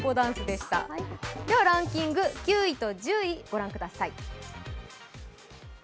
ランキング９位と１０位御覧ください。